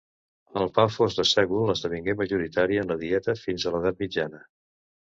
El pa fosc de sègol esdevingué majoritari en la dieta fins a l'Edat Mitjana.